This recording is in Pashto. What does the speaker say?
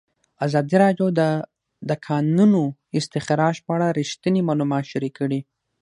ازادي راډیو د د کانونو استخراج په اړه رښتیني معلومات شریک کړي.